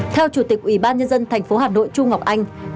theo chủ tịch ủy ban nhân dân tp hà nội trung ngọc anh